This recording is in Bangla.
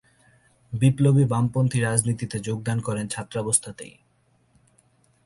বিপ্লবী বামপন্থী রাজনীতিতে যোগদান করেন ছাত্রাবস্থাতেই।